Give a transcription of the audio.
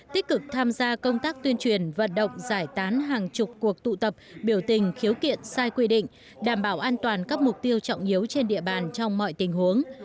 tích cực tham gia công tác tuyên truyền vận động giải tán hàng chục cuộc tụ tập biểu tình khiếu kiện sai quy định đảm bảo an toàn các mục tiêu trọng yếu trên địa bàn trong mọi tình huống